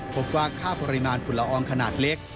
พบว่าค่าปริมาณฝุ่นละอองขนาดเล็ก